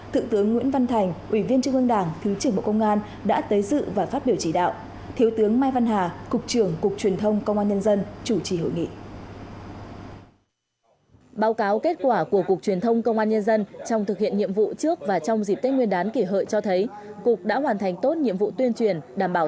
thượng tướng nguyễn văn thành ủy viên trung ương đảng thứ trưởng bộ công an đã tới dự và phát biểu chỉ đạo